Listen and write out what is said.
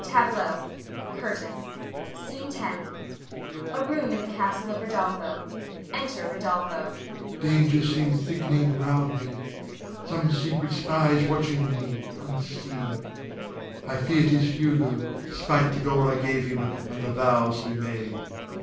[Tableau. CURTAIN. SCENE TENTH. [A room in the castle of Rodolpho. Enter Rodolpho.] Rod. Dangers seem thickening round me. Some secret spy is watching me unseen, I fear 'tis Hugo, spite the gold I gave him, and the vows he made.